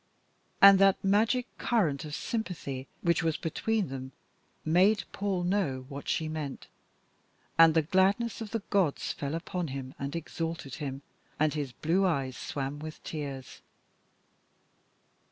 And that magic current of sympathy which was between them made Paul know what she meant. And the gladness of the gods fell upon him and exalted him, and his blue eyes swam with tears.